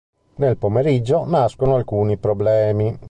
Nel pomeriggio nascono alcuni problemi.